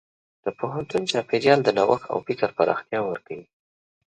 د پوهنتون چاپېریال د نوښت او فکر پراختیا ورکوي.